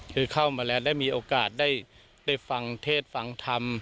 คือเข้ามาแล้วได้มีโอกาสได้ฟังเทศฟังธรรม